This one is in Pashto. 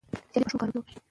سیالي په ښو کارونو کې وکړئ.